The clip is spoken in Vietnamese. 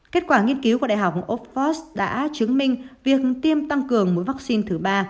kết quả nghiên cứu của đại học oxford đã chứng minh việc tiêm tăng cường mũi vắc xin thứ ba